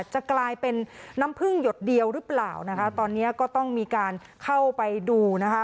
จะกลายเป็นน้ำพึ่งหยดเดียวหรือเปล่านะคะตอนนี้ก็ต้องมีการเข้าไปดูนะคะ